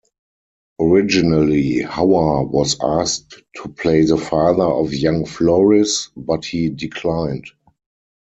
Originally Hauer was asked to play the father of young Floris, but he declined.